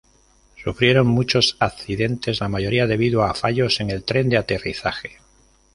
Sufrieron muchos accidentes, la mayoría debido a fallos en el tren de aterrizaje.